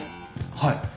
はい。